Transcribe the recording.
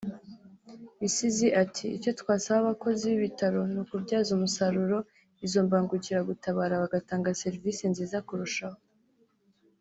Bisizi ati “Icyo twasaba abakozi b’ibitaro ni ukubyaza umusaruro izo mbangukiragutabara bagatanga serivisi nziza kurushaho